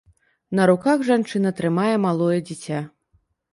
На руках жанчына трымае малое дзіця.